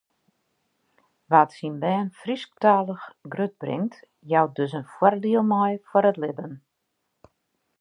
Wa’t syn bern Frysktalich grutbringt, jout dus in foardiel mei foar it libben.